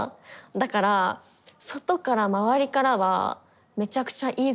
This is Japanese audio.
だから外から周りからはめちゃくちゃいい子に見えてたと思う。